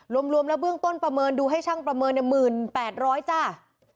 รวมแล้วเบื้องต้นประเมินดูให้ช่างประเมินเนี่ยหมื่นแปดร้อยจ้า